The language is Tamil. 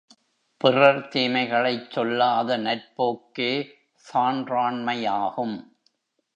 பிறர் தீமைகளைச் சொல்லாத நற்போக்கே சான்றாண்மையாகும்.